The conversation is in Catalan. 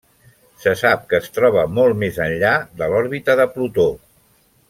Se sap que es troba molt més enllà de l'òrbita de Plutó.